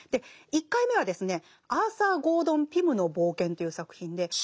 １回目は「アーサー・ゴードン・ピムの冒険」という作品で。